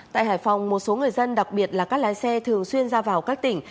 tại hải phòng một số người dân đặc biệt là các lái xe thường xuyên ra vào các tỉnh